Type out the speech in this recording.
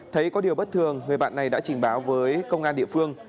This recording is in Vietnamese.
thấy có điều bất thường người bạn này đã trình báo với công an địa phương